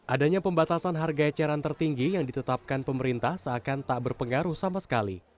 adanya pembatasan harga eceran tertinggi yang ditetapkan pemerintah seakan tak berpengaruh sama sekali